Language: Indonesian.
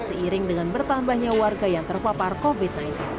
seiring dengan bertambahnya warga yang terpapar covid sembilan belas